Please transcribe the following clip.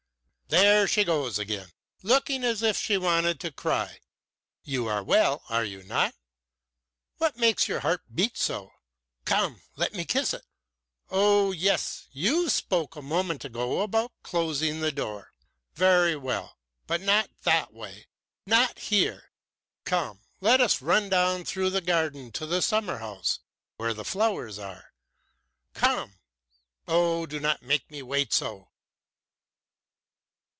"There she goes again, looking as if she wanted to cry! You are well, are you not? What makes your heart beat so? Come, let me kiss it! Oh, yes, you spoke a moment ago about closing the door. Very well, but not that way, not here. Come, let us run down through the garden to the summer house, where the flowers are. Come! Oh, do not make me wait so!"